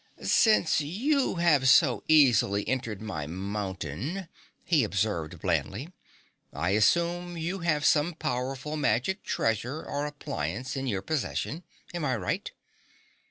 "Since you have so easily entered my mountain," he observed blandly, "I assume you have some powerful magic treasure or appliance in your possession. Am I right?"